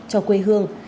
cho quê hương